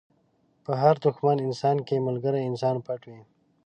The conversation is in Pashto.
په هر دښمن انسان کې ملګری انسان پټ وي.